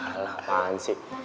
alah apaan sih